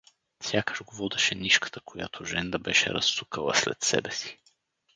Сякаш го водеше нишката, която Женда беше разсукала след себе си.